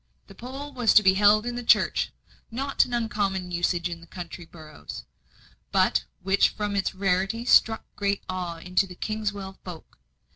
The poll was to be held in the church a not uncommon usage in country boroughs, but which from its rarity struck great awe into the Kingswell folk.